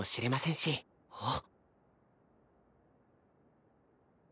あっ。